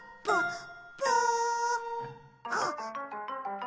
あっ！